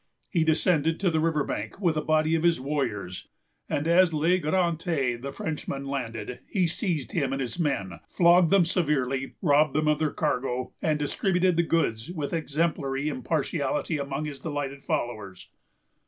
He descended to the river bank with a body of his warriors; and as La Garantais, the Frenchman, landed, he seized him and his men, flogged them severely, robbed them of their cargo, and distributed the goods with exemplary impartiality among his delighted followers.